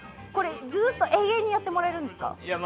ずっと、永遠にやってもらえるんですか？